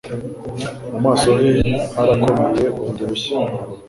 Mu maso he harakomeye bundi bushya